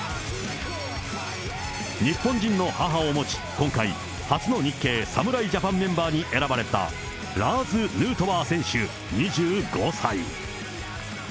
日本人の母を持ち、今回、初の日系侍ジャパンメンバーに選ばれたラーズ・ヌートバー選手２５歳。